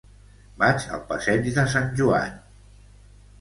Vaig al passeig de Sant Joan.